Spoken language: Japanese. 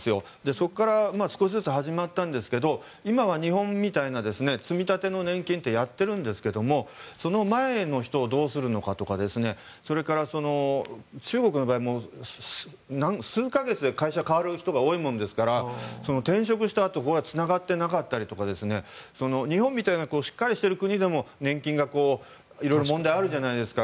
そこから少しずつ始まったんですが今は日本みたいな積み立ての年金ってやってるんですけどその前の人をどうするのかとかそれから、中国の場合数か月で会社を変わる人が多いものですから転職したところがつながってなかったりですとか日本みたいなしっかりしている国でも年金が色々問題あるじゃないですか。